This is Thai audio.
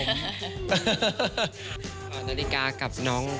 เหมือนแม่มองนาฬิกามองหน้าน้อง